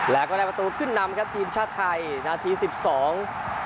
แล้วก็ได้ประตูขึ้นนำครับทีมชาติไทยนาทีสิบสอง